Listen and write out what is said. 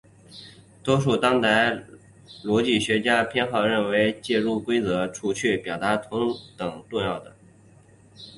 多数当代逻辑学家偏好认为介入规则和除去规则对于表达是同等重要的。